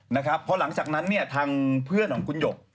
เพราะหลังจากนั้นทางเพื่อนของคุณหยก